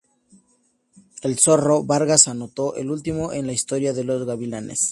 El "Zorro" Vargas anotó el último en la historia de los "Gavilanes".